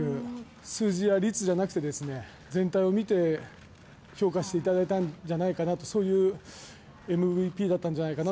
数字や率じゃなくてですね、全体を見て評価していただいたんじゃないかなと、そういうＭＶＰだったんじゃないかな。